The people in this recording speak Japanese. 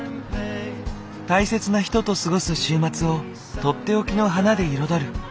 大切な人と過ごす週末を取って置きの花で彩る。